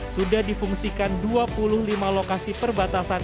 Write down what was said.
sudah difungsikan dua puluh lima lokasi perbatasan